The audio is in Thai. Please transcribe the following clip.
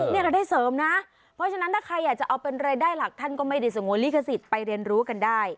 นี่รายได้เสริมนะเพราะฉะนั้นถ้าใครอยากจะเอาเป็นรายได้หลักท่านก็ไม่ได้สงวนลิขสิทธิ์ไปเรียนรู้กันได้